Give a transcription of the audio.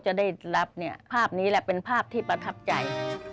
จะได้รับภาพนี้แหละเป็นภาพที่ประทับใจ